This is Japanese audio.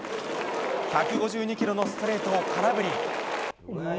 １５２キロのストレートを空振り。